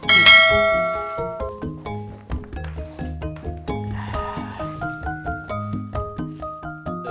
udah pulang pak